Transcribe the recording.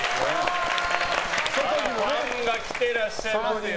ファンが来ていらっしゃいますよ。